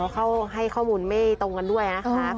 เขาให้ข้อมูลไม่ตรงกันด้วยนะคะ